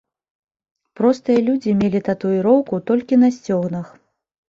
Простыя людзі мелі татуіроўку толькі на сцёгнах.